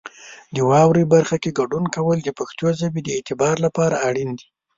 د واورئ برخه کې ګډون کول د پښتو ژبې د اعتبار لپاره اړین دي.